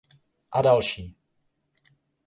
A další.